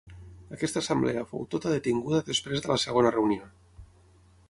Aquesta Assemblea fou tota detinguda després de la segona reunió.